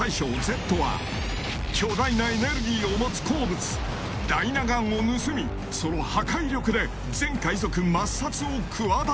［巨大なエネルギーを持つ鉱物ダイナ岩を盗みその破壊力で］